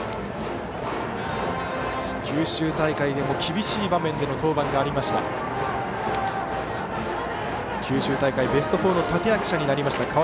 九州大会でも厳しい場面での登板がありました。